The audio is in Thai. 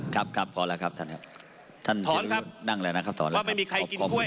ครับขอแล้วครับท่านครับถอนครับว่าไม่มีใครกินกล้วย